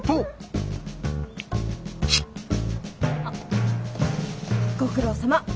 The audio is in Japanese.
あっご苦労さま。